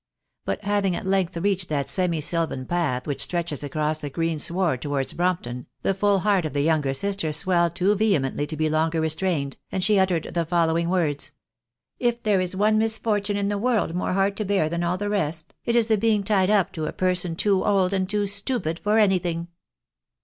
But having at length reached that semi sylvan path which stretches across the green sward towards Brompton, the full heart of the younger sister swelled too vehemently to be longer restrained, and she uttered the following words :—" If there is one misfortune in the world more hard to bear than all the rest, it is the being tied up to a person too old and too stupid for anything."